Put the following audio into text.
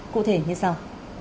cụ thể như sau